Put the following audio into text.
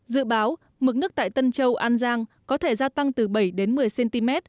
dự báo mức nước tại tân châu an giang có thể gia tăng từ bảy một mươi cm